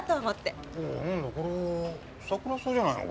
おおなんだこれはサクラソウじゃないのか？